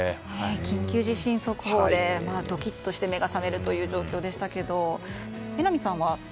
緊急地震速報でドキッとして目が覚めるという状況でしたけど榎並さんは？